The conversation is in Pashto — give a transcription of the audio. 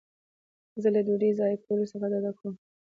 زه له ډوډۍ ضایع کولو څخه ډډه کوم.